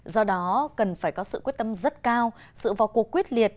do đó cần phải có sự quyết tâm rất cao sự vào cuộc quyết liệt